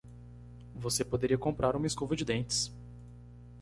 Você poderia comprar uma escova de dentes.